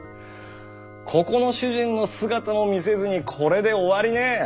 ここの主人の姿も見せずにこれで終わりねェ。